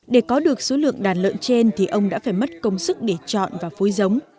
để có được số lượng đàn lợn trên thì ông đã phải mất công sức để chọn và phối giống